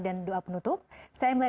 di program gapai kemuliaan